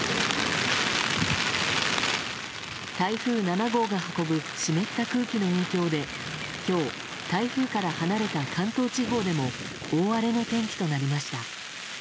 台風７号が運ぶ湿った空気の影響で今日、台風から離れた関東地方でも大荒れの天気となりました。